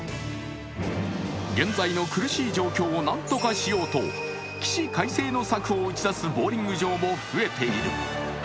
現在の苦しい状況をなんとかしようと起死回生の策を打ち出すボウリング場も増えている。